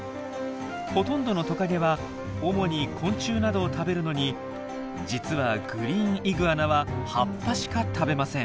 ほとんどのトカゲは主に昆虫などを食べるのに実はグリーンイグアナは葉っぱしか食べません。